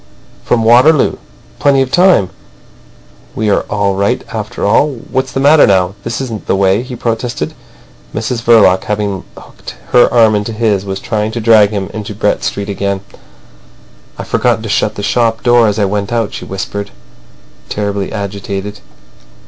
"From Waterloo. Plenty of time. We are all right after all. ... What's the matter now? This isn't the way," he protested. Mrs Verloc, having hooked her arm into his, was trying to drag him into Brett Street again. "I've forgotten to shut the shop door as I went out," she whispered, terribly agitated.